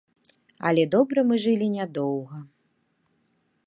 Але добра мы жылі нядоўга.